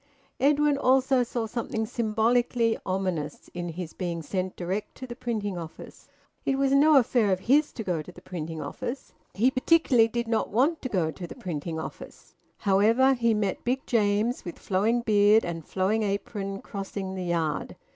Edwin also saw something symbolically ominous in his being sent direct to the printing office. It was no affair of his to go to the printing office. He particularly did not want to go to the printing office. However, he met Big James, with flowing beard and flowing apron, crossing the yard.